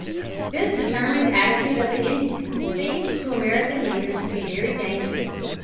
This determined attitude of the Indians seemed to the American leaders to be very dangerous.